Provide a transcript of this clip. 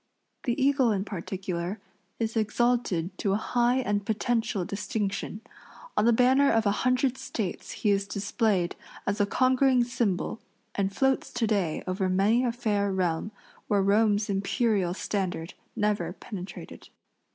The eagle, in particular, is exalted to a high and potential distinction. On the banner of a hundred States he is displayed as a conquering symbol and floats to day over many a fair realm where Rome's imperial standard never penetrated.